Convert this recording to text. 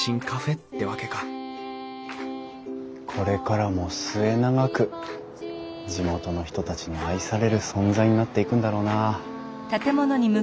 これからも末永く地元の人たちに愛される存在になっていくんだろうなあ。